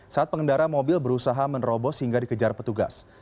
saat pengendara mobil berusaha menerobos hingga dikejar petugas